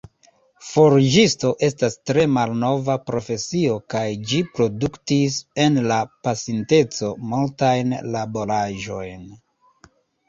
Forĝisto estas tre malnova profesio kaj ĝi produktis, en la pasinteco, multajn laboraĵojn.